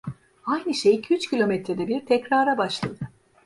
Aynı şey iki üç kilometrede bir tekrara başladı.